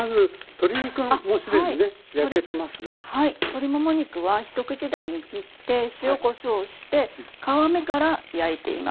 鶏もも肉は一口大に切って塩・こしょうをして皮目から焼いています。